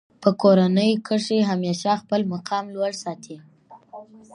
په کورنۍ کښي همېشه خپل مقام لوړ ساتئ!